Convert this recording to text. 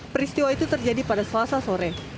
peristiwa itu terjadi pada selasa sore